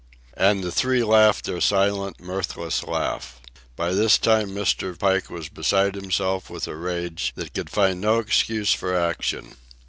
And the three laughed their silent, mirthless laugh. By this time Mr. Pike was beside himself with a rage that could find no excuse for action.